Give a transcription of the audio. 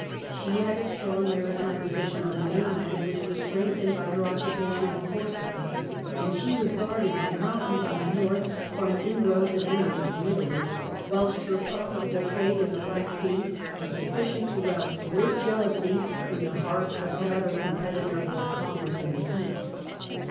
She had a strong maritime position on the mainland, which was strengthened by her occupation of Corsica, and she was guarded by moun tains on the north from inroads of enemies from Italy ; whilst her profitable trade in the Black Sea was sufficient to rouse great jealousy^n the heart of the other com petitor for commerce m the East.